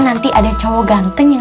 nanti ada cowok ganteng yang